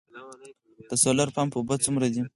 د سولر پمپ اوبه څومره وي؟